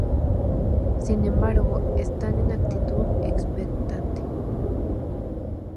Sin embargo, están en actitud expectante.